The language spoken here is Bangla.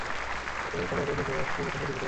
ফলে এতে তীর বর্ষণ তীব্র থেকে তীব্রতর হয়ে ওঠে।